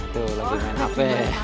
tuh lagi main hp